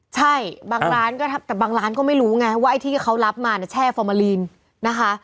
ใช่บางร้านก็แต่บางร้านก็ไม่รู้ไงว่าไอ้ที่เขารับมาเนี่ยแช่ฟอร์มาลีนนะคะ